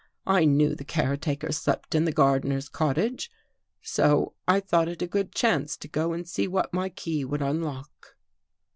I knew the care taker slept in the gardener's cottage, so I thought it a good chance to go and see what my key would unlock."